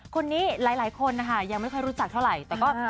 คนนี้หลายคนนะคะยังไม่ค่อยรู้จักเท่าไหร่แต่ก็